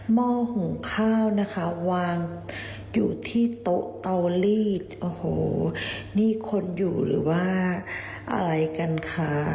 ห้อหุงข้าวนะคะวางอยู่ที่โต๊ะเตาลีดโอ้โหนี่คนอยู่หรือว่าอะไรกันคะ